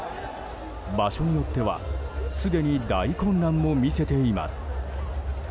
場所によってはすでに大混乱も見せています。